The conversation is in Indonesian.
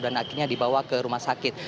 dan akhirnya dibawa ke rumah sakit